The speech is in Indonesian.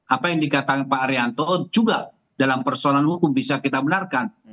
apa yang dikatakan pak arianto juga dalam persoalan hukum bisa kita benarkan